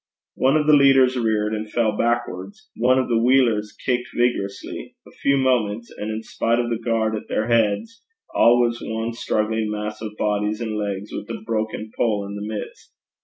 One of the leaders reared, and fell backwards; one of the wheelers kicked vigorously; a few moments, and in spite of the guard at their heads, all was one struggling mass of bodies and legs, with a broken pole in the midst.